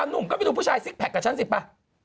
หนุ่มก็ไปดูผู้ชายซิกแพคกับฉันสิป่ะ